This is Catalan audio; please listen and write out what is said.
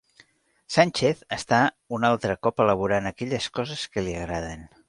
Sánchez està un altre cop elaborant aquelles coses que li agraden